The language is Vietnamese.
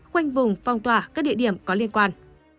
khoanh vùng phong tỏa các địa điểm có liên quan